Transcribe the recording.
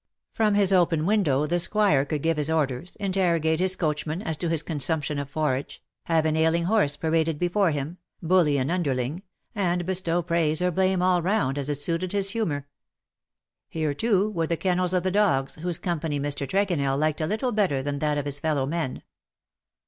From his open window the Squire could give his , orders, interrogate his coachman as to his consump tion of forage, have an ailing horse paraded before STILL COME NEW WOES." 11 him, bully an underling, and bestow praise or blame all round, as it suited his humour. Here, too, were the kennels of the dogs, whose company Mr. Tregonell liked a little better than that of his fellow men.